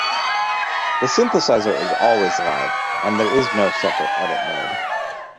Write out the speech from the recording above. The synthesizer is always 'live' and there is no separate edit mode.